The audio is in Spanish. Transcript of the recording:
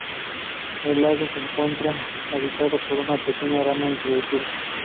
El lago se encuentra habitado por una pequeña rana introducida.